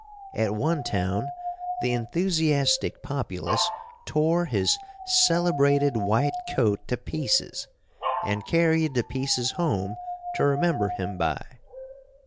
At one town the enthusiastic populace tore his celebrated white coat to pieces and carried the pieces home to remember him by.